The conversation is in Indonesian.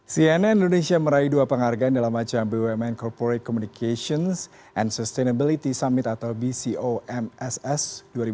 cnn indonesia meraih dua penghargaan dalam ajang bumn corporate communications and sustainability summit atau bcomss dua ribu dua puluh